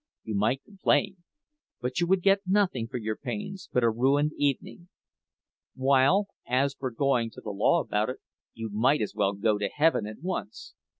You might complain, but you would get nothing for your pains but a ruined evening; while, as for going to law about it, you might as well go to heaven at once.